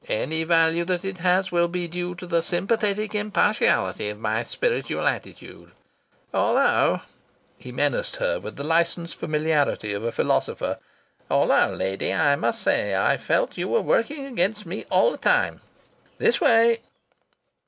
Any value that it has will be due to the sympathetic impartiality of my spiritual attitude. Although" he menaced her with the licensed familiarity of a philosopher "although, lady, I must say that I felt you were working against me all the time.... This way!"